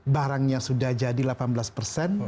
barangnya sudah jadi delapan belas persen